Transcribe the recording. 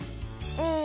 うん。